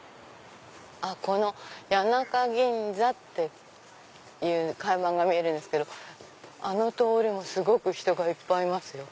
この「谷中ぎんざ」っていう看板が見えるんですけどあの通りもすごく人がいっぱいいますよ。